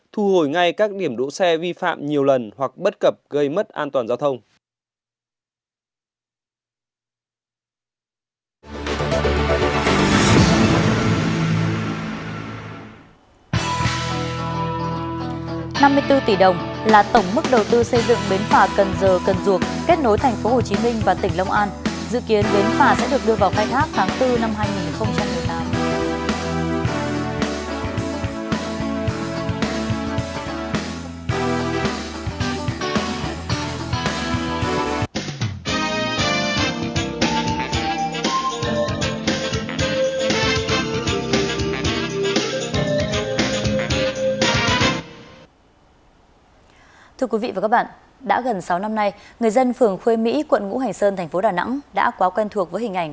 thu hồi ngay các điểm đỗ xe vi phạm nhiều lần hoặc bất cập gây mất an toàn giao thông